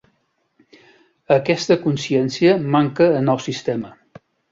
Aquesta consciència manca en el sistema.